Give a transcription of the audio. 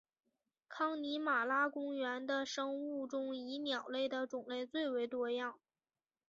康尼玛拉国家公园的生物中以鸟类的种类最为多样。